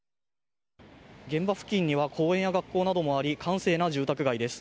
現場付近には公園や学校などもあり閑静な住宅街です。